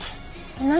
何？